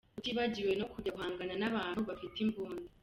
Utibagiwe no kujya guhangana n’abantu bafite imbunda.